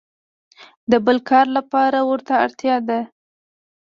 د بل کار لپاره ورته اړتیا ده.